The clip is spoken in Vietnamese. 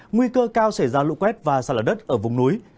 nguy cơ cao xảy ra lũ quét và xa lở đất ở vùng núi